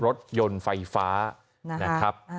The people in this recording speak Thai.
รถยนต์ไฟฟ้านะครับ